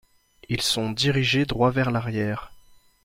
Ils sont dirigés droit vers l'arrière.